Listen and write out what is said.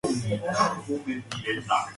It has an excellent basic technique.